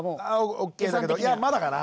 オッケーだけどいやまだかな！